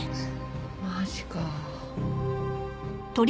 マジか。